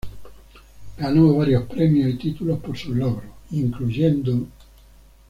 Ganó varios premios y títulos por sus logros, incluyendo